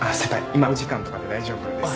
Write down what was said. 今お時間とかって大丈夫ですか？